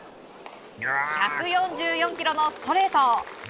１４４キロのストレート。